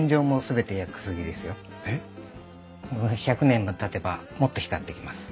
１００年もたてばもっと光ってきます。